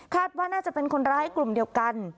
ว่าน่าจะเป็นคนร้ายกลุ่มเดียวกัน